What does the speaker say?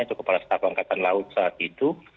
itu kepala staf angkatan laut saat itu